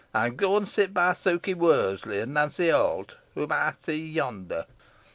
Eyn go an sit by Sukey Worseley an Nancy Holt, whom ey see yonder."